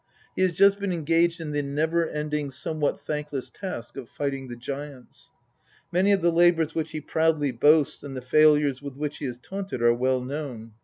He has just been engaged in the never ending, somewhat thankless task, of fighting the giants. Many of the labours which he proudly boasts and the failures with which he is taunted are well known.